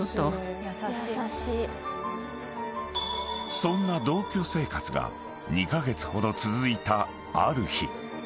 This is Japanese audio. ［そんな同居生活が２カ月ほど続いたある日］